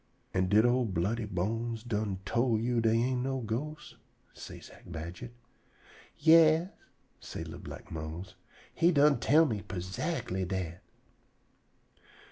"An' did old Bloody Bones done tol' you dey ain' no ghosts?" say Zack Badget. "Yas," say li'l black Mose, "he done tell me perzactly dat."